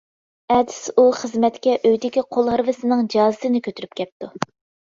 ئەتىسى ئۇ خىزمەتكە ئۆيىدىكى قول ھارۋىسىنىڭ جازىسىنى كۆتۈرۈپ كەپتۇ.